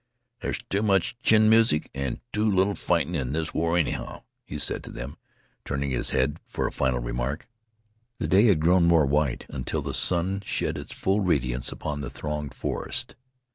"There's too much chin music an' too little fightin' in this war, anyhow," he said to them, turning his head for a final remark. The day had grown more white, until the sun shed his full radiance upon the thronged forest.